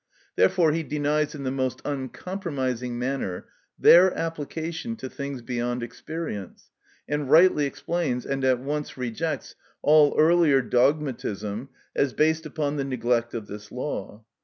Therefore, he denies in the most uncompromising manner their application to things beyond experience, and rightly explains and at once rejects all earlier dogmatism as based upon the neglect of this law.